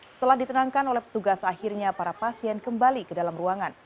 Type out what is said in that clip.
setelah ditenangkan oleh petugas akhirnya para pasien kembali ke dalam ruangan